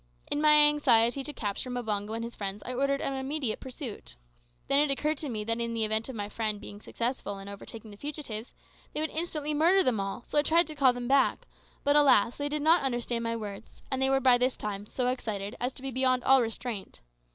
In my anxiety to capture Mbango and his friends I ordered an immediate pursuit. Then it occurred to me that, in the event of my men being successful in overtaking the fugitives, they would instantly murder them all, so I tried to call them back; but, alas! they did not understand my words, and they were by this time so excited as to be beyond all restraint.